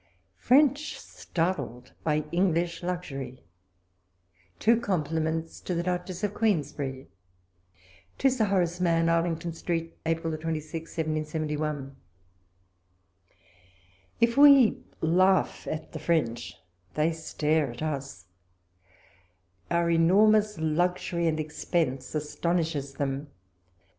... FJiFXCH STARTLED BY ENGLISH LUXURY TWO COMPLIMENTS TO THE DUCHESS OF QUEEN SBERRY. To Sir Horace Mann. Arlington Street, April 2b, 1771. ... If we laugh at the French, they stare at us. Our enormous luxury and expense astonishes them.